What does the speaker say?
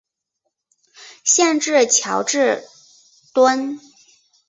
县治乔治敦。